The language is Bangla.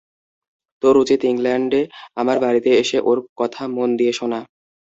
তোর উচিৎ ইংল্যান্ডে আমার বাড়িতে এসে ওর কথা মন দিয়ে শোনা।